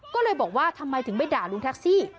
ก็เลยบอกว่าทำไมถึงไม่ด่าลุงแท็กซี่